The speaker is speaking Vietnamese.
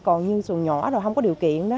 còn như xuồng nhỏ rồi không có điều kiện đó